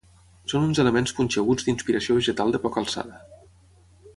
Són uns elements punxeguts d'inspiració vegetal de poca alçada.